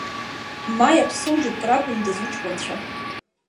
Ма иаԥсоу џьоук ракәында уҷкәынцәа…